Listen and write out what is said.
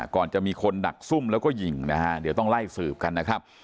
ก่อนจะมีคนดักซุ่มแล้วก็ยิงนะฮะเดี๋ยวต้องไล่สืบกันนะครับ